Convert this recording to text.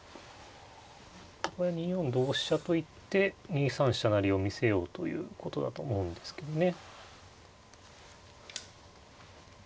これは２四同飛車と行って２三飛車成を見せようということだと思うんですけどね。